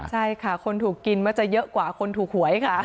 ใช่ค่ะคนถูกกินมักจะเยอะกว่าคนถูกหวยค่ะ